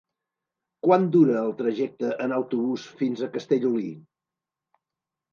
Quant dura el trajecte en autobús fins a Castellolí?